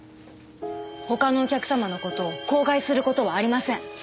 他のお客様の事を口外する事はありません。